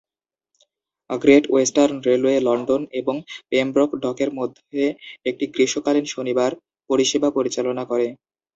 Great western railway London এবং Pembroke ডকের মধ্যে একটি গ্রীষ্মকালীন শনিবার পরিষেবা পরিচালনা করে।